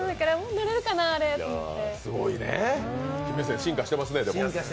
乗れるかな、あれ？と思って。